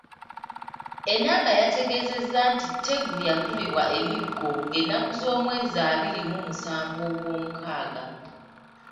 Enanga yategeezezza nti Tegu yakubibwa emiggo ng'ennaku z'omwezi abiri mu musanvu ogw'omukaaga.